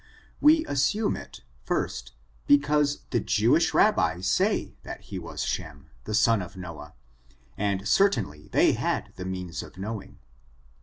We assume it, firsts because the Jewish Rabbi say that he was Shem, the son of Noab, and certainly they had the means of knowing.